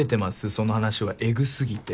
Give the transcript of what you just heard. その話はえぐすぎて。